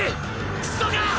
クソが！！